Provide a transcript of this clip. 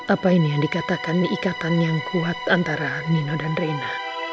apa ini yang dikatakan ikatan yang kuat antara nino dan reina